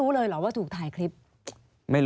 อันดับ๖๓๕จัดใช้วิจิตร